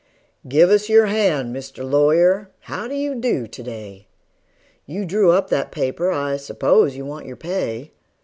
"GIVE US YOUR HAND, MR. LAWYER: HOW DO YOU DO TO DAY?" You drew up that paper I s'pose you want your pay.